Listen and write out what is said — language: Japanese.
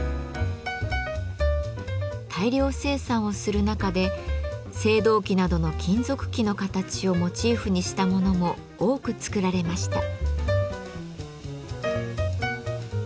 大量生産をする中で青銅器などの金属器の形をモチーフにしたものも多く作られました。